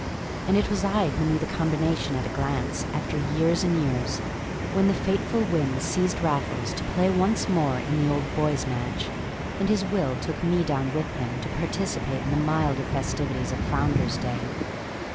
And it was I who knew the combination at a glance, after years and years, when the fateful whim seized Raffles to play once more in the Old Boys' Match, and his will took me down with him to participate in the milder festivities of Founder's Day.